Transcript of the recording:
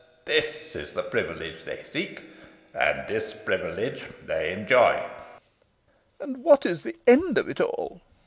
This is the privilege they seek, and this privilege they enjoy." "And what is the end of it all?"